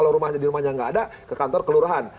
di rumahnya gak ada ke kantor kelurahan